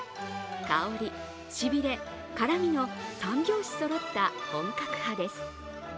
香り、しびれ、辛みの３拍子そろった本格派です。